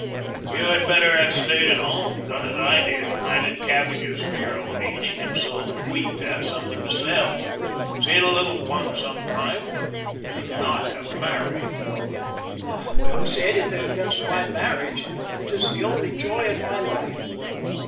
" You had better have stayed at home ; done as I did. planted cabbages for your own eating, and sown wheat to have something to sell ; seen a little fun sometimes, and not have married." " Ah, don't say anything against my marriage ! It is the only joy in my life."